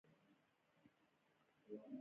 د نجونو تعلیم د ظلم پر وړاندې دریدل دي.